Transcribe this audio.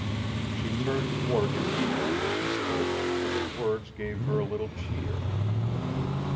She turned toward him eagerly as he spoke and his words gave her a little cheer.